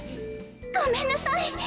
「ごめんなさい」。